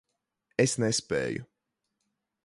Es nespēju.